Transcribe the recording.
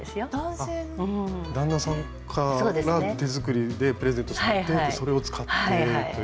旦那さんから手作りでプレゼントされてそれを使っているという。